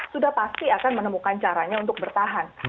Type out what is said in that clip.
sudah pasti akan menemukan caranya untuk bertahan